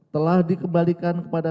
telah dikembalikan kepada